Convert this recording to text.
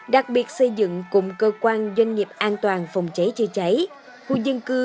đặc biệt xây dựng cụm cơ quan doanh nghiệp an toàn phòng cháy chữa cháy khu dân cư